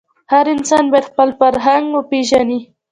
هر انسان باید خپل فرهنګ وپېژني.